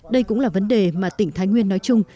đây cũng là vấn đề mà tỉnh thái nguyên nói chung